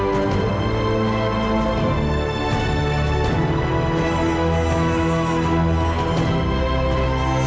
saya akan menangkan dia